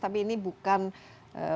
tapi ini bukan penambahan atau benda lain